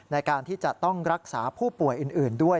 ในการที่จะต้องรักษาผู้ป่วยอื่นด้วย